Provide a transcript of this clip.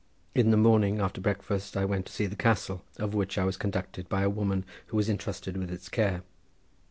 In the morning after breakfast I went to see the castle, over which I was conducted by a woman who was intrusted with its care.